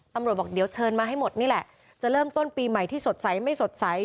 บอกเดี๋ยวเชิญมาให้หมดนี่แหละจะเริ่มต้นปีใหม่ที่สดใสไม่สดใส